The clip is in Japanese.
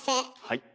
はい。